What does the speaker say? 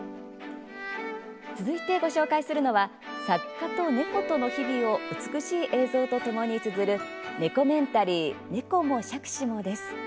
続いてご紹介するのは作家と猫との日々を美しい映像とともにつづる「ネコメンタリー猫も、杓子も。」です。